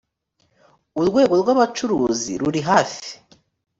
urwego rwa bacuruzi rurihafi.